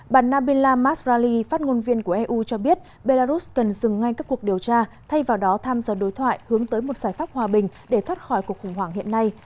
bà nabila masrali phát ngôn viên của eu cho biết belarus cần dừng ngay các cuộc điều tra thay vào đó tham gia đối thoại hướng tới một giải pháp hòa bình để thoát khỏi cuộc khủng hoảng hiện nay